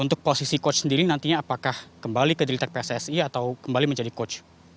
untuk posisi coach sendiri nantinya apakah kembali ke dirita pssi atau kembali menjadi coach